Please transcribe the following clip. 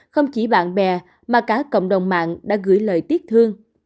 không chỉ bạn bè mà cả cộng đồng mạng đã gửi lời tiếc thương